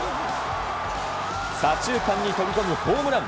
左中間に飛び込むホームラン。